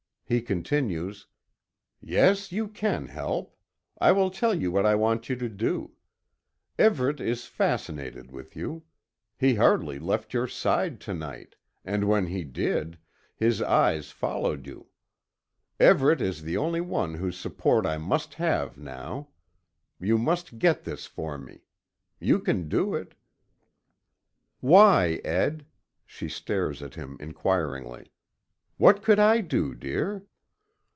He continues: "Yes, you can help. I will tell you what I want you to do. Everet is fascinated with you. He hardly left your side to night, and when he did, his eyes followed you. Everet is the only one whose support I must have now. You must get this for me. You can do it " "Why, Ed? " She stares at him inquiringly. "What could I do, dear?"